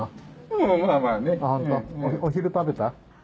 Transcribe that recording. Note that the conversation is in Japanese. もうお昼食べた？